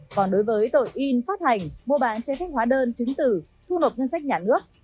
còn đối với tội in phát hành mua bán trái phép hóa đơn chứng tử thu nộp ngân sách nhà nước